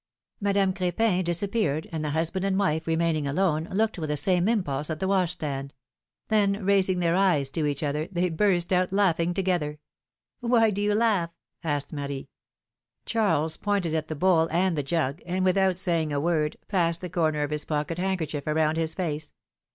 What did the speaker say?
^^ Madame Crepin disappeared, and the husband and wife remaining alone, looked with the same impulse at the wash stand; then, raising their eyes to each other, they burst out laughing together. Why do you laugh ? asked Marie. Charles pointed at the bowl and the jug, and, without saying a word, passed the corner of his pocket handker chief around his face.